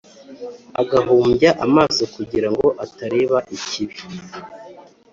agahumbya amaso kugira ngo atareba ikibi.